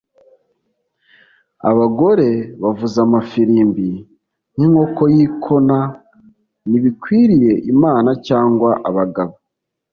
abagore bavuza amafirimbi n'inkoko yikona ntibikwiriye imana cyangwa abagabo